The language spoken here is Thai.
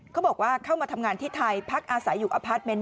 เขาบอกว่าเข้ามาทำงานที่ไทยพักอาศัยอยู่อพาร์ทเมนต์